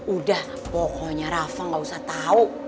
udah pokoknya rafa gak usah tahu